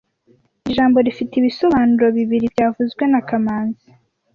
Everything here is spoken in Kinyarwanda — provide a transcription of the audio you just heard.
Iri jambo rifite ibisobanuro bibiri byavuzwe na kamanzi